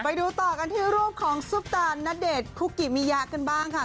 ไปดูต่อกันที่รูปของซุปตาณเดชน์คุกิมิยะกันบ้างค่ะ